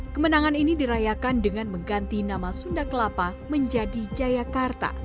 kemenangan ini dirayakan dengan mengganti nama sunda kelapa menjadi jayakarta